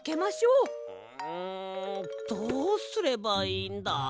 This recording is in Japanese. うんどうすればいいんだ？